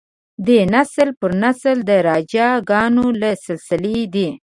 دی نسل پر نسل د راجه ګانو له سلسلې دی.